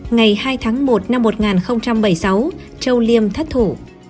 ngày hai tháng một năm một nghìn bảy mươi sáu châu liêm thất thủ